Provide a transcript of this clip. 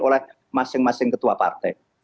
oleh masing masing ketua partai